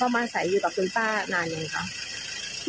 พ่อมันใส่อยู่กับคุณป้านานยังไงครับ